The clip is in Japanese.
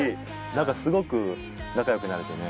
何かすごく仲良くなれてね。